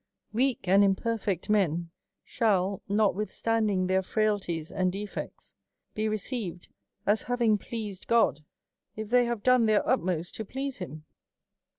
^*'.*" Weak and imperfect men shall, notwithstanding ^ their frailties and defects, be received, as having pleas ed God, if they have done their utmost to please him.